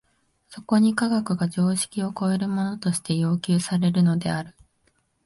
そこに科学が常識を超えるものとして要求されるのである。